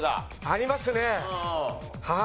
ありますねはい。